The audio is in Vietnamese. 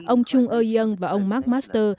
ông trung ơ yên và ông mark master